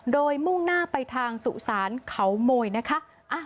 โดยมุ่งหน้าไปทางสุสานเขาโมยนะคะ